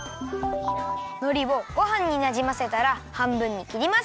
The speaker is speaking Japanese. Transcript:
のりをごはんになじませたらはんぶんにきります。